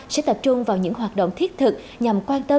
sẽ tập trung vào những hoạt động thiết thực nhằm quan tâm